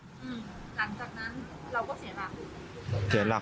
หลังจากนั้นเราก็เสียหลัก